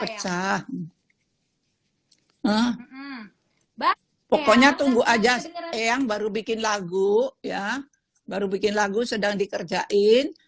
pecah ah ah hai bahwa pokoknya tunggu aja yang baru bikin lagu ya baru bikin lagu sedang dikerjain